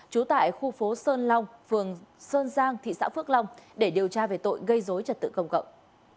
trú tại khu phố sơn long phường sơn giang thị xã phước long để điều tra về tội gây dối trật tự công cộng